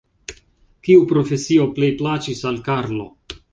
Kiu profesio plej plaĉis al Karlo?